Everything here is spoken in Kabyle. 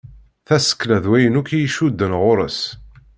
Tasekla d wayen akk i icudden ɣur-s.